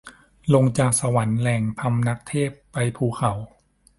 ลงจากสวรรค์ แหล่งพำนักเทพ ไปภูเขา